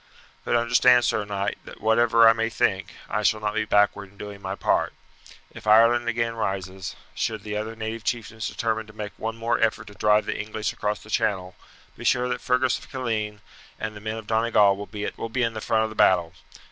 "But understand, sir knight, that whatever I may think, I shall not be backward in doing my part. If Ireland again rises, should the other native chieftains determine to make one more effort to drive the English across the channel, be sure that Fergus of Killeen and the men of Donegal will be in the front of the battle.